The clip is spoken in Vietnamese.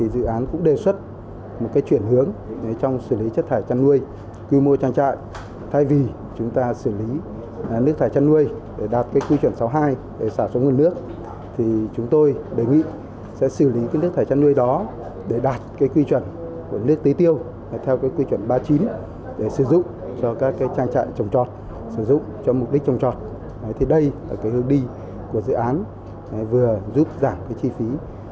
dự án vừa giúp giảm chi phí cũng như đem lại các lợi nhuận cho các chuỗi trang trại